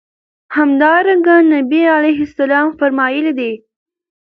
همدرانګه نبي عليه السلام فرمايلي دي